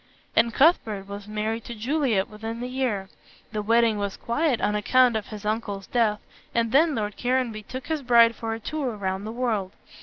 And Cuthbert was married to Juliet within the year. The wedding was quiet on account of his uncle's death, and then Lord Caranby took his bride for a tour round the world.